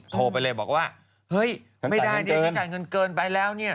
โทรไปเลยบอกว่าเฮ้ยไม่ได้เดี๋ยวช่วยจ่ายเงินเกินไปแล้ว